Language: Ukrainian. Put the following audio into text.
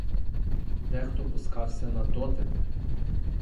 Дехто пускався на дотепи.